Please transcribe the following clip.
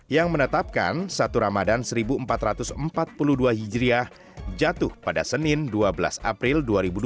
yang menetapkan satu ramadan seribu empat ratus empat puluh dua hijriah jatuh pada senin dua belas april dua ribu dua puluh